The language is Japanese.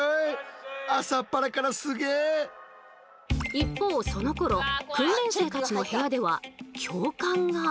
一方そのころ訓練生たちの部屋では教官が。